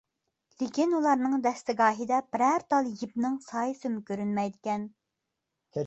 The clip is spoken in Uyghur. لېكىن ئۇلارنىڭ دەستىگاھىدا بىرەر تال يىپنىڭ سايىسىمۇ كۆرۈنمەيدىكەن.